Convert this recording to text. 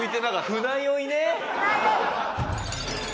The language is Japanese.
船酔い。